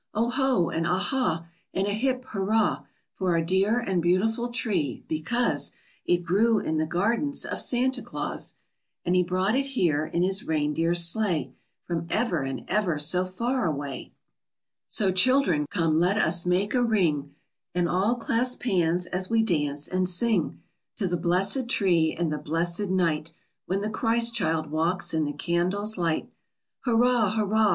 O ho! and ah ha! And a hip hurrah! For our dear and beautiful tree, because It grew in the gardens of Santa Claus And he brought it here in his reindeer sleigh From ever and ever so far away! _So, children, come, let us make a ring And all clasp hands as we dance and sing To the blessed tree and the blessed night When the Christ child walks in the candles' light!_ Hurrah! Hurrah!